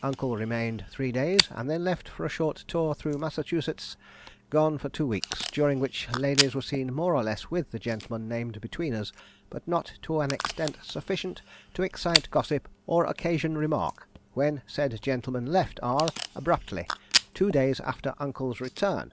Uncle remained three days, and then left for a short tour through Massachusetts. Gone two weeks, during which ladies were seen more or less with the gentleman named between us, but not to an extent sufficient to excite gossip or occasion remark, when said gentleman left R abruptly, two days after uncle's return.